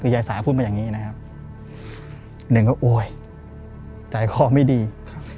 ยายสาพูดมาอย่างงี้นะครับหนึ่งก็โอ๊ยใจคอไม่ดีครับ